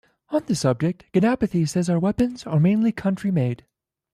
On the subject, Ganapathy says, Our weapons are mainly country-made.